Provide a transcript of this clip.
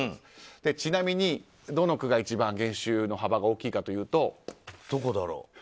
ちなみに、どの区が一番減収の幅が大きいかというと。